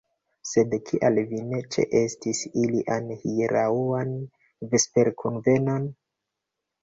Sed kial vi ne ĉeestis ilian hieraŭan vesperkunvenon?